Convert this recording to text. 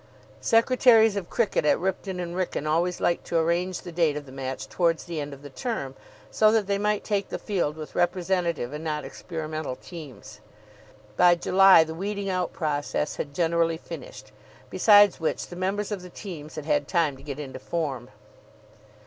Secretaries of cricket at Ripton and Wrykyn always liked to arrange the date of the match towards the end of the term, so that they might take the field with representative and not experimental teams. By July the weeding out process had generally finished. Besides which the members of the teams had had time to get into form.